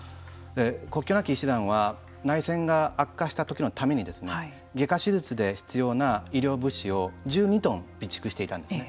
国境なき医師団は内戦が悪化した時のために外科手術で必要な医療物資を１２トン備蓄していたんですね。